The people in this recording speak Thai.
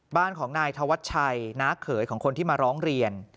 บ้านของนายธวัชชัยน้าเขยของคนที่มาร้องเรียน